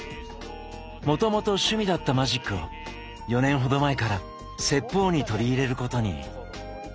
もともと趣味だったマジックを４年ほど前から説法に取り入れることに。